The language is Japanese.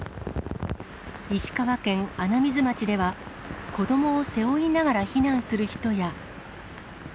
石川県穴水町では、子どもを背負いながら避難する人や。